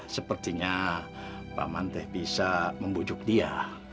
sepertinya paman teh bisa membujuk dia